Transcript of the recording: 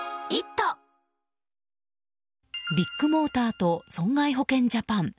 ビッグモーターと損害保険ジャパン。